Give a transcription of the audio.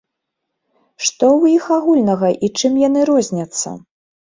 Што ў іх агульнага і чым яны розняцца?